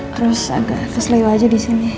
terus agak keselilu aja di sini